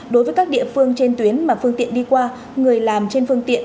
đối với các địa phương trên tuyến mà phương tiện đi qua người làm trên phương tiện